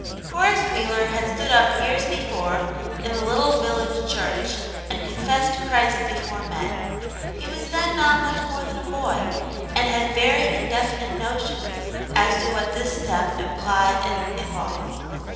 HORACE WHEELER had stood up years be fore, in the little village church, and confessed Christ before men. He was then not much more than a boy, and had very indefinite notions as to what this step implied and involved.